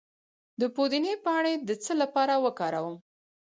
د پودینې پاڼې د څه لپاره وکاروم؟